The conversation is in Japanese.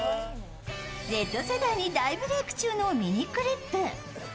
Ｚ世代に大ブレイク中のミニクリップ。